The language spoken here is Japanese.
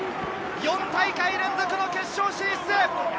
４大会連続の決勝進出。